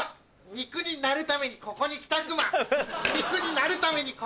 肉になるためにここに来たんだクマ。